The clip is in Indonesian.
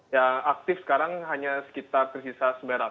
yang aktif sekarang hanya sekitar tersisa sembilan ratus